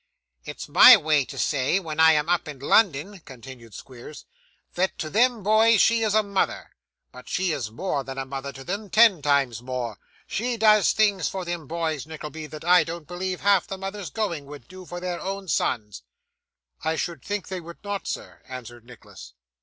'It's my way to say, when I am up in London,' continued Squeers, 'that to them boys she is a mother. But she is more than a mother to them; ten times more. She does things for them boys, Nickleby, that I don't believe half the mothers going, would do for their own sons.' 'I should think they would not, sir,' answered Nicholas.